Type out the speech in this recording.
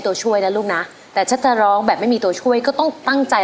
โปรดติดตามต่อไป